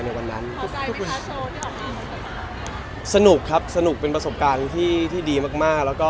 สนุกเป็นสนุกประสบการณ์และได้ทำงานกับงานที่เป็นหัวงาน